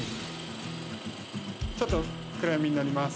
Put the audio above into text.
ちょっと暗闇になります